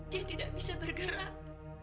dia tidak bisa bergerak